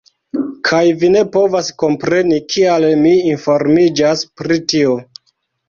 Kaj vi ne povas kompreni, kial mi informiĝas pri tio.